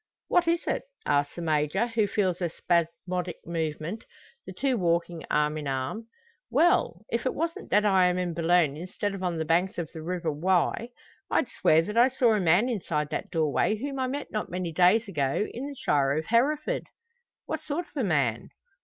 "What is it?" asks the Major, who feels the spasmodic movement the two walking arm in arm. "Well! if it wasn't that I am in Boulogne instead of on the banks of the river Wye, I'd swear that I saw a man inside that doorway whom I met not many days ago in the shire of Hereford." "What sort of a man?"